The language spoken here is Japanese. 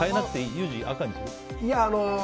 ユージ、赤にする？